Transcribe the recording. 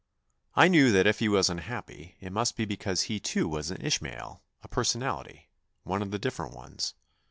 I knew that if he was unhappy, it must be because he too was an Ishmael, a personality, one of the different ones.